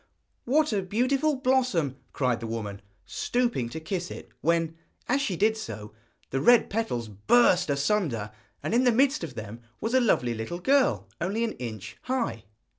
'What a beautiful blossom,' cried the woman, stooping to kiss it, when, as she did so, the red petals burst asunder, and in the midst of them was a lovely little girl only an inch high.